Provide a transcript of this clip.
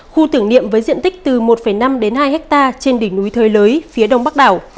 khu tưởng niệm với diện tích từ một năm đến hai hectare trên đỉnh núi thới phía đông bắc đảo